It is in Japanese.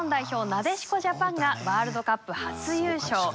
なでしこジャパンがワールドカップ初優勝。